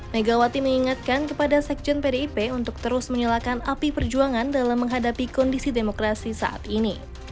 megawati mengingatkan kepada sekjen pdip untuk terus menyalakan api perjuangan dalam menghadapi kondisi demokrasi saat ini